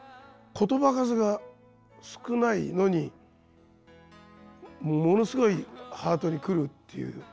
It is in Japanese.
言葉数が少ないのにものすごいハートに来るっていう。